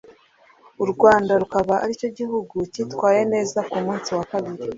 U Rwanda rukaba aricyo gihugu kitwaye neza ku munsi wa kabiri